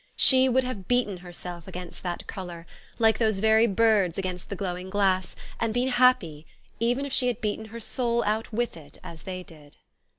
She would have beaten herself against that color, like those very birds against the glowing glass, and been happy, even if she had beaten her soul out with it as they did.